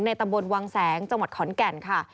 ตำบลวังแสงจังหวัดขอนแก่นค่ะ